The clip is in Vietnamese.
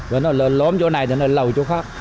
và nó lên lõm chỗ này thì nó lầu chỗ khác